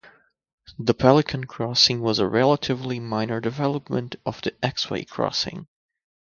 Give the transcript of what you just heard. The pelican crossing was a relatively minor development of the "x-way" crossing.